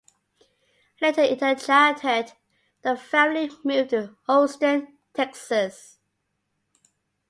Later in her childhood, the family moved to Houston, Texas.